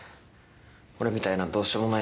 俺みたいなどうしようもないやつ。